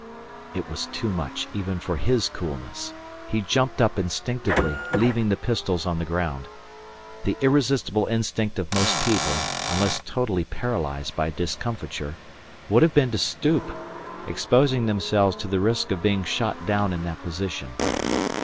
It was too much even for his coolness. He jumped up instinctively, leaving the pistols on the ground. The irresistible instinct of most people (unless totally paralysed by discomfiture) would have been to stoop exposing themselves to the risk of being shot down in that position.